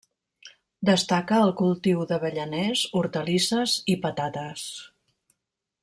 Destaca el cultiu d'avellaners, hortalisses i patates.